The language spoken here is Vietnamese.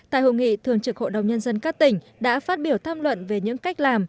tại hội nghị thường trực hội đồng nhân dân các tỉnh đã phát biểu tham luận về những cách làm